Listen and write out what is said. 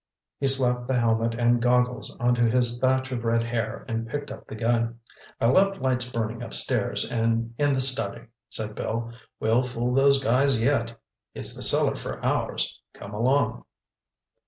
He slapped the helmet and goggles onto his thatch of red hair and picked up the gun. "I left lights burning upstairs and in the study," said Bill. "We'll fool those guys yet. It's the cellar for ours, come along."